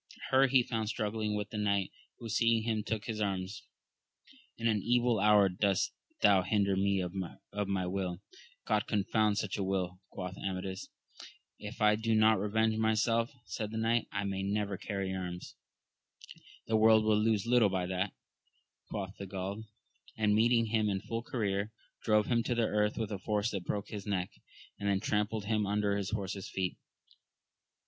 Her he found struggling with the knight, who seeing him took his arms :— In an evil hour dost thou hinder me of my will ! God confound such a wiU ! quoth Amadis. If I do not revenge myself, said the knight, may I never carry arms. The world will lose little by that, quoth he of Gaul ; and meeting him in full career, drove him to the earth with a force that broke his neck, and then trampled him under his horse's feet.